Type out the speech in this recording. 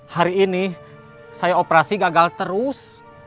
hari ini saya operasi gagal terus